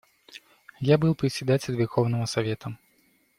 Я был председатель Верховного Совета.